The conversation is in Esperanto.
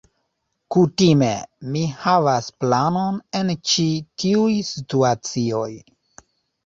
Kutime, mi havas planon en ĉi tiuj situacioj.